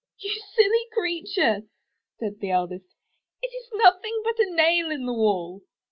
'* You silly creature," said the eldest, *'it is nothing but a nail in the wall."